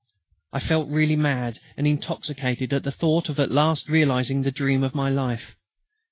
I felt really mad and intoxicated at the thought of at last realising the dream of my life.